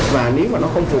và nếu mà nó không phù hợp